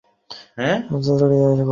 তুমি রাস্তায় দাঁড়িয়ে কথা বলছ, জানা আছে?